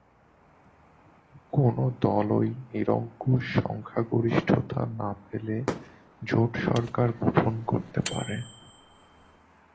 কোনো দলই নিরঙ্কুশ সংখ্যাগরিষ্ঠতা না পেলে জোট সরকার গঠন করতে পারে।